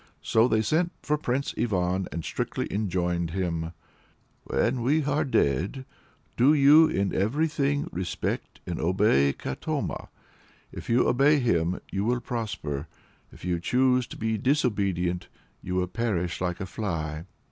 So they sent for Prince Ivan and strictly enjoined him: "When we are dead, do you in everything respect and obey Katoma. If you obey him, you will prosper; but if you choose to be disobedient, you will perish like a fly."